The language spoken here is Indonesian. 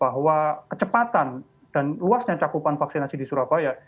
bahwa kecepatan dan luasnya cakupan vaksinasi di surabaya